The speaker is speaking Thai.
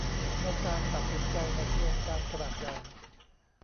ในการตัดสินใจในโครงการขนาดใหญ่